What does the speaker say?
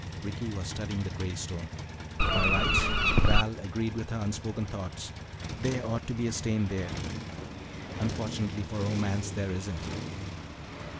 Ricky was studying the gray stone. "By rights," Val agreed with her unspoken thought, "there ought to be a stain there. Unfortunately for romance, there isn't."